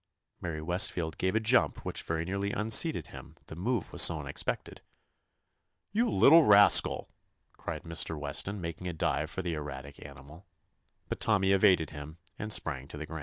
Mary Westfield gave a jump which very nearly unseated him, the move was so unexpected. "You little rascal!" cried Mr. Weston, making a dive for the erratic animal. But Tommy evaded him, and sprang to the ground.